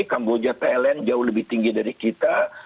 kamboja pln jauh lebih tinggi dari kita